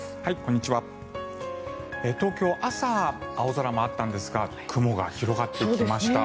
東京、朝、青空もあったんですが雲が広がってきました。